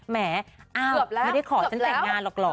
หมออ้าวไม่ได้ขอฉันแต่งงานหรอกเหรอ